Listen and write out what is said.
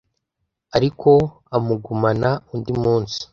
ariko amugumana undi munsi